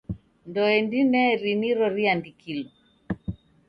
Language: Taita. Ndoe ndineri niro riandikilo.